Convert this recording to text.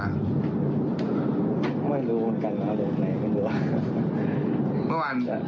ก็ไม่รู้กันนะโดยไหนก็เบื่อ